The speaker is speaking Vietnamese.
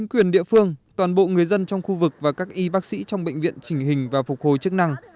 quyền địa phương toàn bộ người dân trong khu vực và các y bác sĩ trong bệnh viện chỉnh hình và phục hồi chức năng